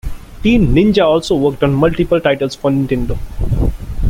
Team Ninja also worked on multiple titles for Nintendo.